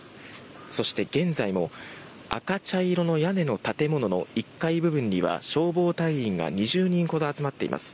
そして現在も赤茶色の屋根の建物の１階部分には消防隊員が２０人ほど集まっています。